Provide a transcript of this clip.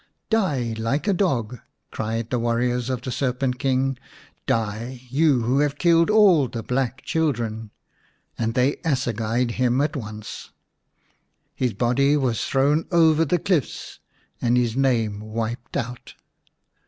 " Die like a dog !" cried the warriors of the Serpent King. " Die, you who have killed all the black children !" And they assegaied him at once. His body was thrown over the cliffs and his name wiped out.